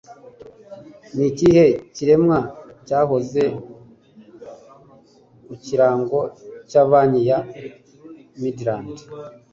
Ni ikihe kiremwa cyahoze ku kirango cya Banki ya Midland?